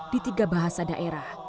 di tiga bahasa daerah